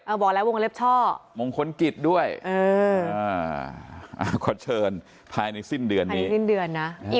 อ่าบอกแล้ววงเล็บช่อมงคลกฤษด้วยเอออ่าขอเชิญภายในสิ้นเดือนนี้